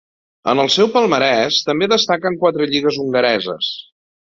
En el seu palmarès també destaquen quatre lligues hongareses.